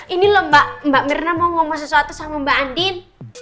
ini loh mbak mbak mirna mau ngomong sesuatu sama mbak andim